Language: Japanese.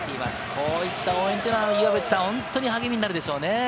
こういった応援は岩渕さん、本当に励みになるでしょうね。